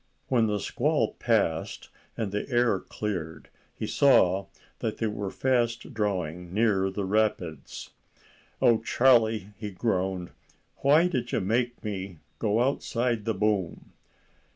When the squall passed and the air cleared, he saw that they were fast drawing near the rapids. "O Charlie," he groaned, "why did you make me go outside the boom?"